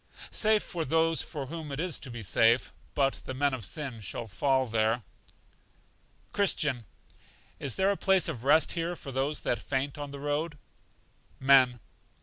Safe for those for whom it is to be safe; but the men of sin shall fall there. Christian. Is there a place of rest here for those that faint on the road? Men.